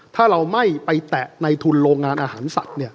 ถ้าเราไม่ไปแตะในทุนโรงงานอาหารสัตว์เนี่ย